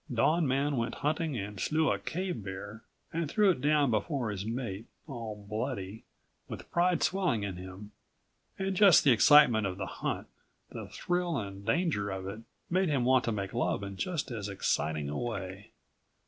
Dawn man went hunting and slew a cave bear and threw it down before his mate, all bloody, with pride swelling in him and just the excitement of the hunt, the thrill and danger of it, made him want to make love in just as exciting a way.